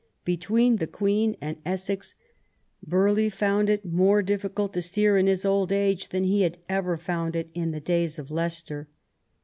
Between the Queen and Essex, Burghley found it more difficult to steer in his old age than he had ever found it in the days of Leicester.